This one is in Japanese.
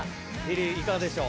リリーいかがでしょう？